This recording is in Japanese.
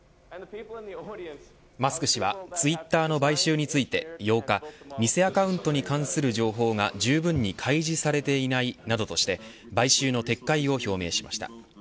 マスク氏はツイッターの買収について８日、偽アカウントに関する情報がじゅうぶんに開示されていないなどとして買収の撤回を表明しました。